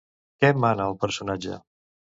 Què mana el personatge?